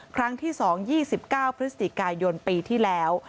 ครั้งที่๒๒๙พฤศจิกายนปีที่แล้ว